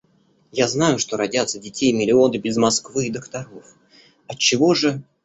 Я знаю, что родятся детей миллионы без Москвы и докторов... отчего же...